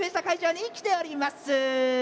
会場に来ております。